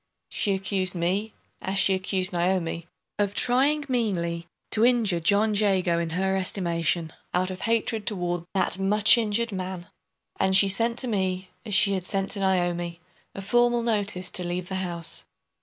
She accused me, as she accused Naomi, of trying meanly to injure John Jago in her estimation, out of hatred toward "that much injured man;" and she sent to me, as she had sent to Naomi, a formal notice to leave the house.